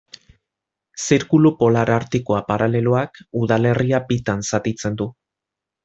Zirkulu Polar Artikoa paraleloak udalerria bitan zatitzen du.